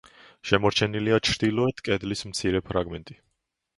შემორჩენილია ჩრდილოეთ კედლის მცირე ფრაგმენტი.